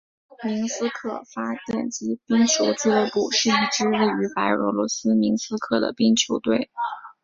明斯克发电机冰球俱乐部是一支位于白俄罗斯明斯克的冰球队。